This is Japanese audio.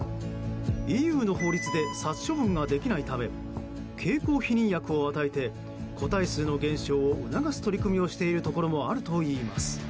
ＥＵの法律で殺処分ができないため経口避妊薬を与えて個体数の減少を促す取り組みをしているところもあるといいます。